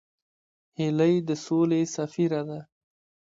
هیلۍ د سولې سفیره ده